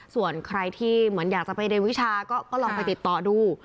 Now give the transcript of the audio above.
ส่วนใครที่เหมือนอยากจะไปเรียนวิชาก็ลองไปติดต่อดู